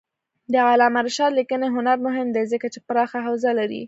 د علامه رشاد لیکنی هنر مهم دی ځکه چې پراخه حوزه لري.